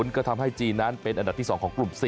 ก็ทำให้จีนนั้นเป็นอันดับที่๒ของกลุ่ม๔